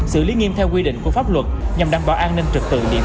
xử lý nghiêm theo quy định của pháp luật nhằm đảm bảo an ninh trật tự địa phương